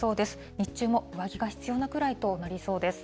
日中も上着が必要なくらいとなりそうです。